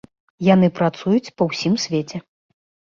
Яны працуюць па ўсім свеце.